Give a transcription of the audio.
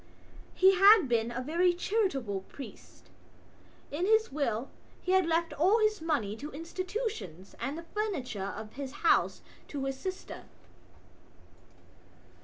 He had been a very charitable priest; in his will he had left all his money to institutions and the furniture of his house to his sister.